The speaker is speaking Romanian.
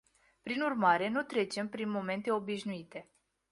Prin urmare, nu trecem prin momente obișnuite.